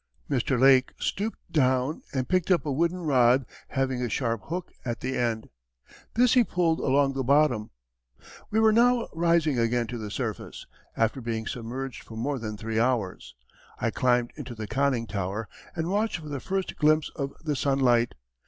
Mr. Lake stooped down, and picked up a wooden rod having a sharp hook at the end. This he pulled along the bottom.... We were now rising again to the surface, after being submerged for more than three hours. I climbed into the conning tower and watched for the first glimpse of the sunlight.